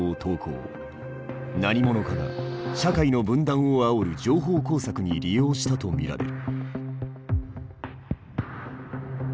何者かが社会の分断をあおる情報工作に利用したと見られる。